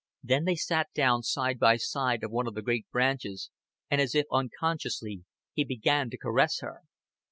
Then they sat down side by side on one of the great branches, and as if unconsciously he began to caress her.